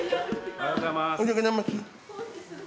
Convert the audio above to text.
おはようございます。